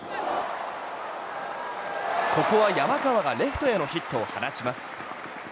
ここは山川がレフトへのヒットを放ちます。